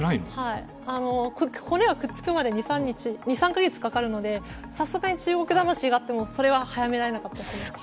骨はくっつくまで２３カ月かかるのでさすがに中国魂があっても早められなかったですね。